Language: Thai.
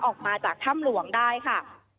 ออกมาจากถ้ำหลวงได้ค่ะ